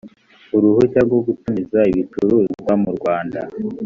uruhushya rwo gutumiza ibicuruzwa mu rwanda